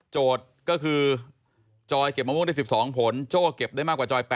ก็คือจอยเก็บมะม่วงได้๑๒ผลโจ้เก็บได้มากกว่าจอย๘